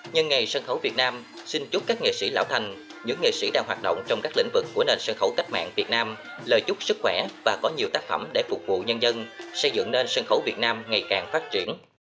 nhân ngày sân khấu việt nam xin chúc các nghệ sĩ lão thành những nghệ sĩ đang hoạt động trong các lĩnh vực của nền sân khấu cách mạng việt nam lời chúc sức khỏe và có nhiều tác phẩm để phục vụ nhân dân xây dựng nên sân khấu việt nam ngày càng phát triển